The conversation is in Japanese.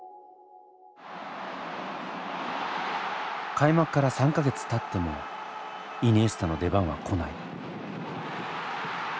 開幕から３か月たってもイニエスタの出番は来ない。